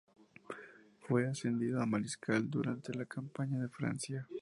Fue ascendido a mariscal durante la campaña de Francia.